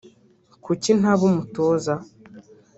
“Kuki ntaba umutoza